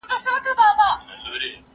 مخي ستونزه پېښه کړي د بېلګي په توګه که موږ د